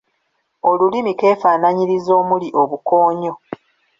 Olulimi keefanaanyiriza omuli obukoonyo